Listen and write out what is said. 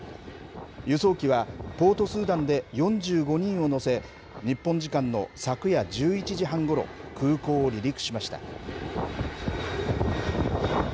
輸送機は、ポートスーダンで４５人を乗せ、日本時間の昨夜１１時半ごろ、空港を離陸しました。